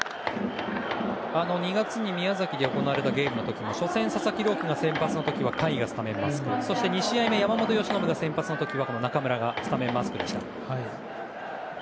２月に宮崎で行われたゲームの時も初戦、佐々木朗希が先発の時は甲斐がスタメンマスクそして２試合目山本由伸が先発の時は中村がスタメンマスクでした。